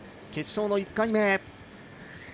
決勝の１回目。